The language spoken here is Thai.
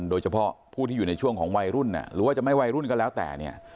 โดยเฉพาะผู้ที่อยู่ในช่วงของวัยรุ่นหรือว่าจะไม่วัยรุ่นก็แล้วแต่เนี่ย